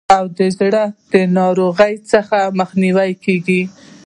او د زړه د ناروغیو څخه مخنیوی کیږي.